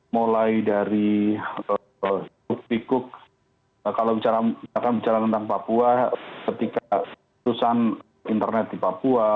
mulai dari bukti kuk kalau misalkan bicara tentang papua ketika putusan internet di papua